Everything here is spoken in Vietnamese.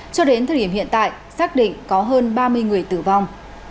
cho đến thời điểm hiện tại xác định có hơn ba mươi người tử vong